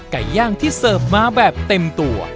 ไก่ย่างที่เสิร์ฟมาแบบเต็มตัว